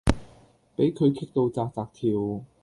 比佢激到紥紥跳